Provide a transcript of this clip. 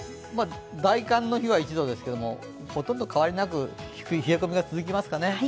大寒の日は１度ですがほとんど変わりなく冷え込みが続きますかね。